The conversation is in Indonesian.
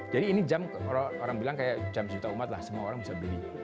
jadi ini jam orang bilang kayak jam juta umat lah semua orang bisa beli